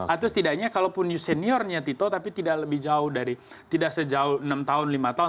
atau setidaknya kalaupun seniornya tito tapi tidak lebih jauh dari tidak sejauh enam tahun lima tahun